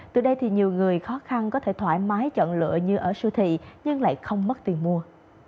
từ đây thì nhiều người khó khăn có thể thoải mái chọn lựa như ở siêu thị nhưng lại không mất tiền mua